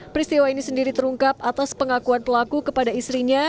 peristiwa ini sendiri terungkap atas pengakuan pelaku kepada istrinya